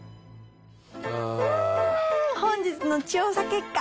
うん本日の調査結果